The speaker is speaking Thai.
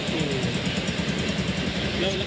มี